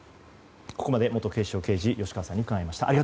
ここまで元警視庁刑事吉川さんに伺いました。